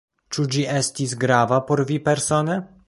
Ĉu ĝi estis grava por vi persone?